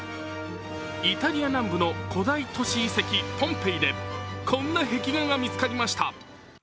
イタリア南部の古代都市遺跡ポンペイでこんな壁画が見つかりました。